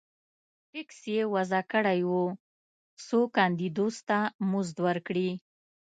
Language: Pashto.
ټکس یې وضعه کړی و څو کاندیدوس ته مزد ورکړي